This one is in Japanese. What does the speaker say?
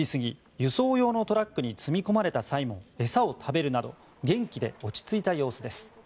輸送用のトラックに積み込まれた際も餌を食べるなど元気で落ち着いた様子です。